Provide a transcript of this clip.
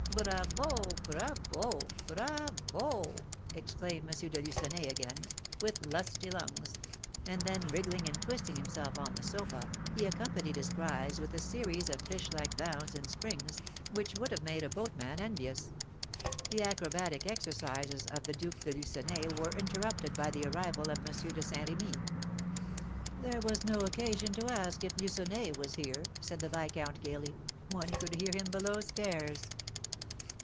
"Bravo! bravo! bravo!" exclaimed M. de Lucenay again, with lusty lungs; and then, wriggling and twisting himself on the sofa, he accompanied his cries with a series of fishlike bounds and springs, which would have made a boatman envious. The acrobatic exercises of the Duke de Lucenay were interrupted by the arrival of M. de Saint Remy. "There was no occasion to ask if Lucenay was here," said the viscount, gaily; "one could hear him below stairs."